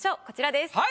こちらです。